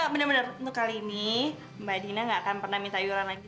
bener bener untuk kali ini mbak dina gak akan pernah minta ayuran lagi